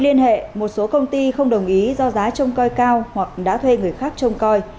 liên hệ một số công ty không đồng ý do giá trông coi cao hoặc đã thuê người khác trông coi